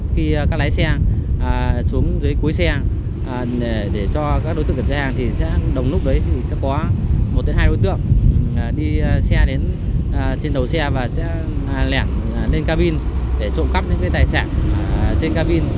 khi các lái xe xuống dưới cuối xe để cho các đối tượng kiểm tra hàng thì đồng lúc đấy sẽ có một hai đối tượng đi xe đến trên đầu xe và sẽ lẻn lên ca bin để trộm cắp những tài sản trên ca bin